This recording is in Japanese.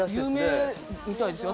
有名みたいですよ。